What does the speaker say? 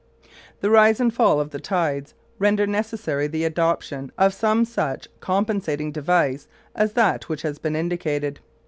The rise and fall of the tides render necessary the adoption of some such compensating device as that which has been indicated.